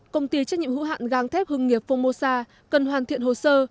công ty trách nhiệm hữu hạn găng thép hương nghiệp phomosa cần hoàn thiện hồ sơ